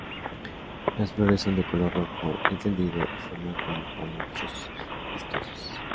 Las flores son de color rojo encendido y forman como penachos vistosos.